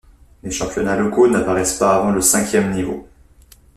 Les championnats locaux n'apparaissent pas avant le cinquième niveau.